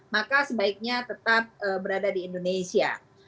maka sebaiknya tetap berada di indonesia